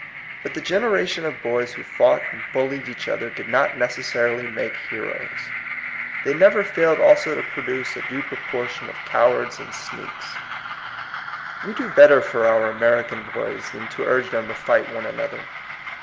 But the genera tions of boys who fought and bullied each other did not necessarily make heroes; they never failed also to produce a due proportion of cowards and sneaks. We do better for our American boys than to urge them to fight one another.